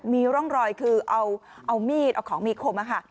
มีร่องรอยคือเอามีดเอาของมีคม